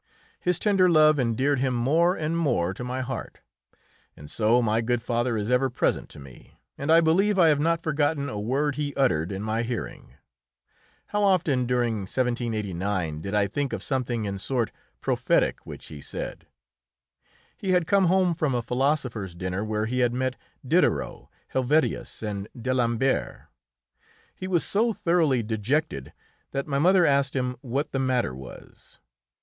His tender love endeared him more and more to my heart; and so my good father is ever present to me, and I believe I have not forgotten a word he uttered in my hearing. How often, during 1789, did I think of something in sort prophetic which he said. He had come home from a philosophers' dinner where he had met Diderot, Helvetius and d'Alembert. He was so thoroughly dejected that my mother asked him what the matter was.